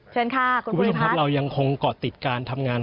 เชิญค่ะคุณภูริพัฒน์คุณผู้สื่อข่าวเรายังคงก่อติดการทำงาน